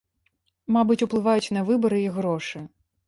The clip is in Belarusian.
Мабыць, уплываюць на выбар і грошы.